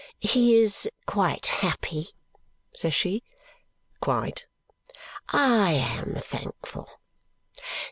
"He is quite happy?" says she. "Quite." "I am thankful!